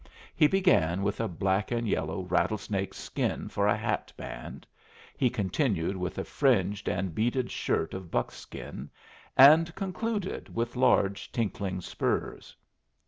He began with a black and yellow rattlesnake skin for a hat band, he continued with a fringed and beaded shirt of buckskin, and concluded with large, tinkling spurs.